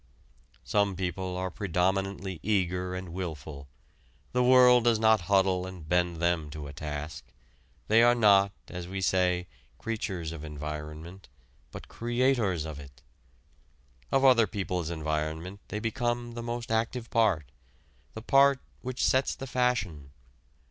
Some people are predominantly eager and wilful. The world does not huddle and bend them to a task. They are not, as we say, creatures of environment, but creators of it. Of other people's environment they become the most active part the part which sets the fashion.